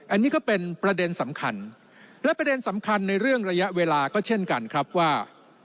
อันนี้ก็เป็นประเด็นสำคัญและประเด็นสำคัญในเรื่องระยะเวลาก็เช่นกันครับว่า